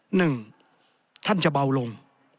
หนึ่งท่านจะเบาลง